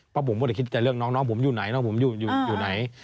เพราะผมไม่ได้คิดใจเรื่องน้องผมอยู่ไหนน้องผมอยู่ไหน